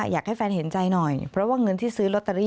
อยากให้แฟนเห็นใจหน่อยเพราะว่าเงินที่ซื้อลอตเตอรี่